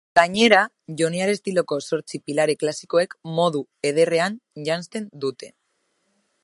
Gainera, joniar estiloko zortzi pilare klasikoek modu ederrean janzten dute.